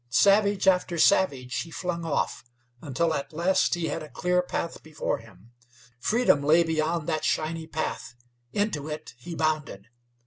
Savage after savage he flung off, until at last he had a clear path before him. Freedom lay beyond that shiny path. Into it he bounded.